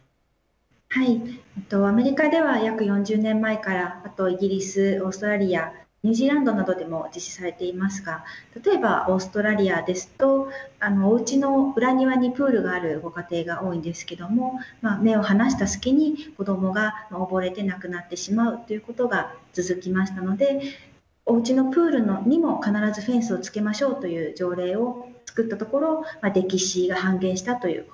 はいアメリカでは約４０年前からあとイギリスオーストラリアニュージーランドなどでも実施されていますが例えばオーストラリアですとおうちの裏庭にプールがあるご家庭が多いんですけども目を離した隙に子どもが溺れて亡くなってしまうということが続きましたのでおうちのプールにも必ずフェンスをつけましょうという条例を作ったところ溺死が半減したという報告があります。